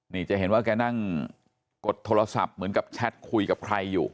นี่จะเห็นว่าแกนั่งกดโทรศัพท์เหมือนกับแชทคุยกับใครอยู่